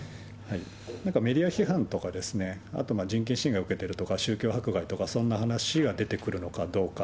なんかメディア批判とか、あと人権侵害を受けているとか、宗教迫害とか、そんな話が出てくるのかどうか。